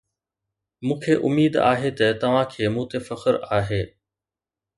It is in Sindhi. مون کي اميد آهي ته توهان کي مون تي فخر آهي.